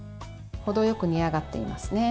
程よく煮上がっていますね。